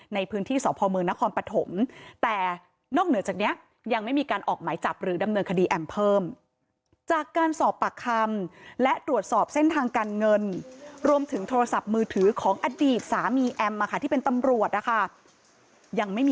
ในพื้นที่สพมนครปฐมแต่นอกเหนือจากเนี้ยังไม่มีการออกหมายจับหรือดำเนินคดีแอมเพิ่ม